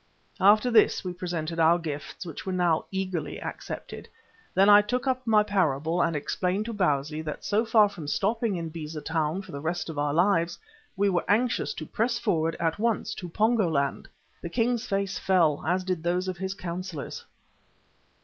After this we presented our gifts, which now were eagerly accepted. Then I took up my parable and explained to Bausi that so far from stopping in Beza Town for the rest of our lives, we were anxious to press forward at once to Pongo land. The king's face fell, as did those of his councillors.